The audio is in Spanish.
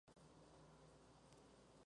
El pelaje es castaño parduzco.